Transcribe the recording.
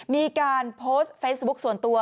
มีการโพสต์เฟซบุ๊คส่วนตัว